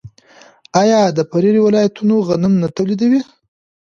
آیا د پریري ولایتونه غنم نه تولیدوي؟